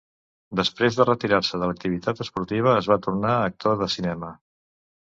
Després de retirar-se de l'activitat esportiva, es va tornar actor de cinema.